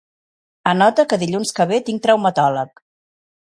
Anota que dilluns que ve tinc traumatòleg.